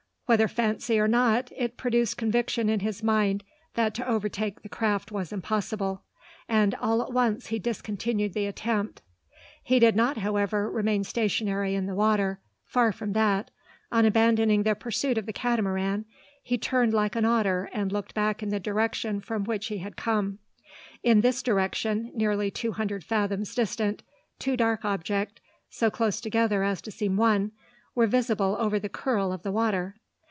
Whether fancy or not, it produced conviction in his mind that to overtake the craft was impossible; and all at once he discontinued the attempt. He did not, however, remain stationary in the water. Far from that. On abandoning the pursuit of the Catamaran, he turned like an otter, and looked back in the direction from which he had come. In this direction, nearly two hundred fathoms distant, two dark objects, so close together as to seem one, were visible over the "curl" of the water.